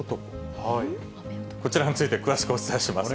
こちらについて詳しくお伝えします。